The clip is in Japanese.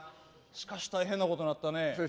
しかし、大変なことになったね。